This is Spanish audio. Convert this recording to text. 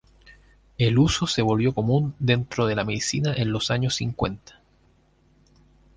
El uso se volvió común dentro de la medicina en los años cincuenta.